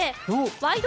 「ワイド！